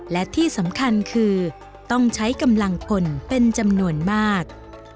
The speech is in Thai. และที่สำคัญคือต้องใช้กำลังพลเป็นจำนวนมาก